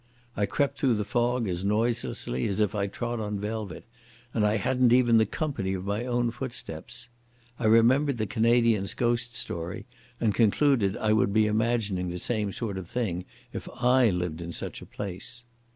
I crept through the fog as noiselessly as if I trod on velvet, and I hadn't even the company of my own footsteps. I remembered the Canadian's ghost story, and concluded I would be imagining the same sort of thing if I lived in such a place.